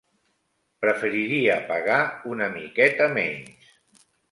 Preferiria pagar una miqueta menys.